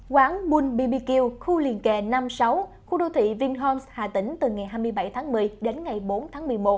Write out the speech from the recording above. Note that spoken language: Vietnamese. quán bull bbq khu liên kề năm sáu khu đô thị vinh homs hà tĩnh từ ngày hai mươi bảy tháng một mươi đến ngày bốn tháng một mươi một